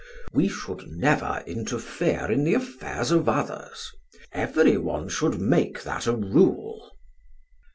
We should never interfere in the affairs of others. Everyone should make that a rule."